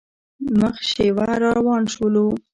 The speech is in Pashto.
مخ شېوه روان شولو.